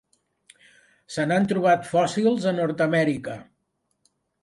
Se n'han trobat fòssils a Nord-amèrica.